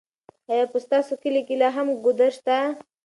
ایا په ستاسو کلي کې لا هم ګودر شته؟